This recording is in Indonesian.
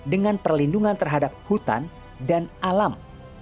dengan perlindungan terhadap hutan dan alam